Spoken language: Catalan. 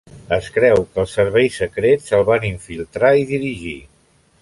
Es creu que els serveis secrets el van infiltrar i dirigir.